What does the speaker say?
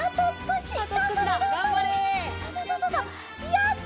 やった！